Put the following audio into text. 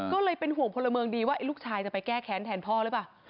ก็เลยเป็นห่วงพลเมืองดีว่าลูกชายจะไปแก้แค้นแทนพ่อหรือเปล่า